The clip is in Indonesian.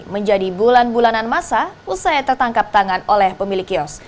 menjadi bulan bulanan masa usai tertangkap tangan oleh pemilik kios